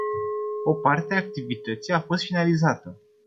O parte a activității a fost finalizată.